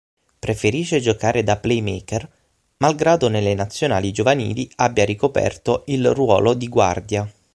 Preferisce giocare da playmaker, malgrado nelle Nazionali giovanili abbia ricoperto il ruolo di guardia.